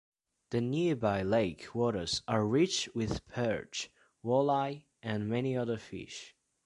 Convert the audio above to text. The nearby lake waters are rich with perch, walleye, and many other fish.